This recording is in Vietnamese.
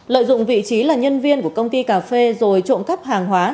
lợi dụng vị trí là nhân viên của công ty cà phê rồi trộm cắp hàng hóa